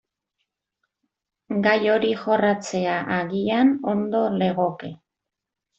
Gai hori jorratzea agian ondo legoke.